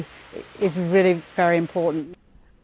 jadi memperkenalkan pesan pesan itu ke kualitas terbaik